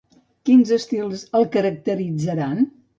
Quins estils el caracteritzaran?